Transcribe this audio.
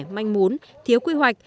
manh muốn thiếu quy hoạch